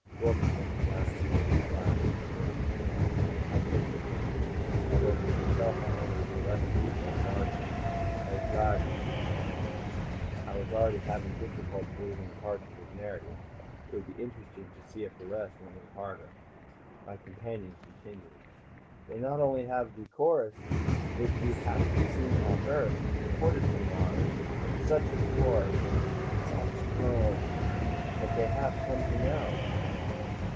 Dworken looked down at his empty glass and snorted gently. I took the hint, although for myself I ordered the less lethal Martian azdzani. I was already having difficulty believing parts of his narrative; it would be interesting to see if the rest were any harder. My companion continued. "They not only have de chorus, which you haf seen on Earth, imported from Mars and such a chorus! Such girls! But they had somet'ing else."